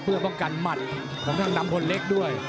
เพื่อป้องกันหมัดของทางนำพลเล็กด้วย